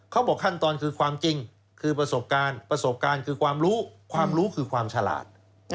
เขาบอกขั้นตอนคือความจริงคือประสบการณ์ประสบการณ์คือความรู้ความรู้คือความฉลาด